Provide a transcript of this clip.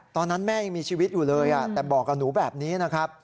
ตอนนั้นแม่ยังมีชีวิตอยู่เลยแต่บอกกับหนูแบบนี้นะครับ